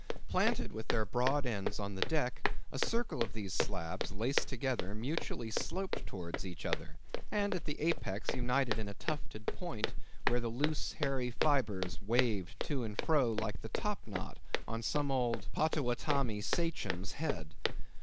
Planted with their broad ends on the deck, a circle of these slabs laced together, mutually sloped towards each other, and at the apex united in a tufted point, where the loose hairy fibres waved to and fro like the top knot on some old Pottowottamie Sachem's head.